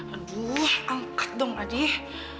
aduh angkat dong adik